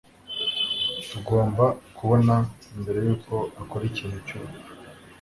Tugomba kubona mbere yuko akora ikintu cyubupfu.